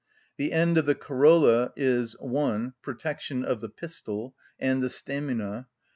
The end of the corolla is—(1.) Protection of the pistil and the stamina; (2.)